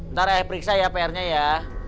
ntar ayah periksa ya pr nya ya